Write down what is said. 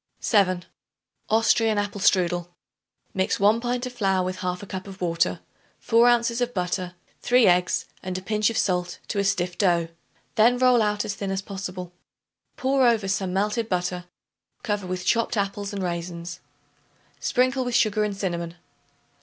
7. Austrian Apple Strudel. Mix 1 pint of flour with 1/2 cup of water, 4 ounces of butter, 3 eggs and a pinch of salt to a stiff dough; then roll out as thin as possible. Pour over some melted butter; cover with chopped apples and raisins. Sprinkle with sugar and cinnamon.